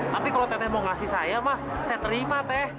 tapi kalau teteh mau ngasih saya mah saya terima teh